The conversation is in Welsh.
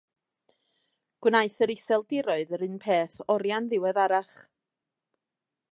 Gwnaeth yr Iseldiroedd yr un peth oriau'n ddiweddarach.